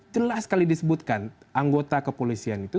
jelas sekali disebutkan anggota kepolisian itu tidak berpengaruh